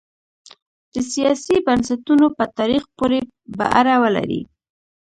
د سیاسي بنسټونو په تاریخ پورې به اړه ولري.